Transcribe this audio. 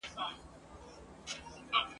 د ادب په تقریباً هره ساحه کي ..